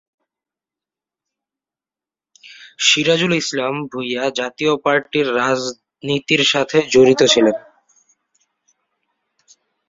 সিরাজুল ইসলাম ভূঁইয়া জাতীয় পার্টির রাজনীতির সাথে জড়িত ছিলেন।